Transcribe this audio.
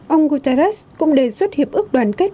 ông guterres cũng đề xuất hiệp ước đoàn kết